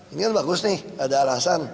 ini kan bagus nih ada alasan